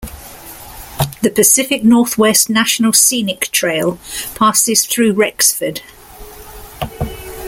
The Pacific Northwest National Scenic Trail passes through Rexford.